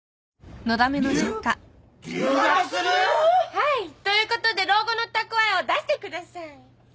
はい！ということで老後の蓄えを出してください！